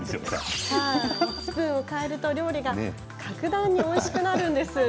スプーンを替えると料理が格段においしくなるんです。